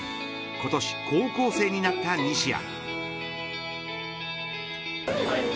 今年高校生になった西矢。